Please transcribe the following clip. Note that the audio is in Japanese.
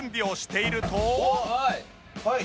はい。